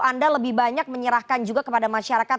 anda lebih banyak menyerahkan juga kepada masyarakat